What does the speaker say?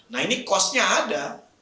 nah ini kosnya ada